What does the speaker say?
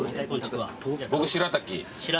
僕しらたき。